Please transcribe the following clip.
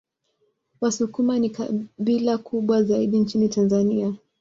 Wasukuma ni kabila kubwa zaidi nchini Tanzania